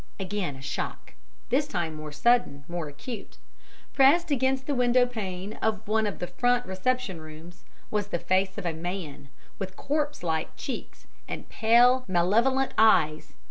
Again a shock this time more sudden, more acute. Pressed against the window pane of one of the front reception rooms was the face of a man with corpse like cheeks and pale, malevolent eyes.